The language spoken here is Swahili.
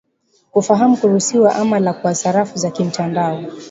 kufahamu kuruhusiwa ama la kwa sarafu za kimtandao